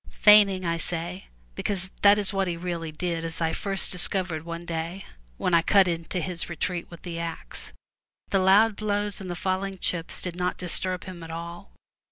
Feigning, I say, because this is what he really did, as I first discovered one day when I cut into his retreat with the axe. The loud blows and the falling chips did not disturb him at all.